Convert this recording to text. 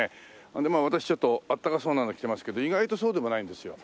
まあ私ちょっとあったかそうなの着てますけど意外とそうでもないんですよ。